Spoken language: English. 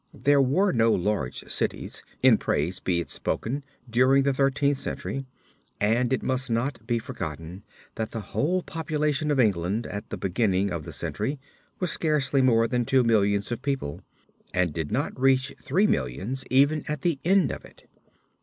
There were no large cities, in praise be it spoken, during the Thirteenth Century, and it must not be forgotten that the whole population of England at the beginning of the century was scarcely more than two millions of people and did not reach three millions even at the end of it.